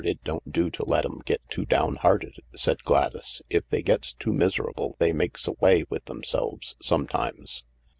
It don't do to let 'em get too down hearted," said Gladys. " If they gets too miserable they makes away with themselves some times."